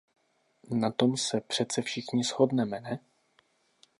Na tom se přece všichni shodneme, ne?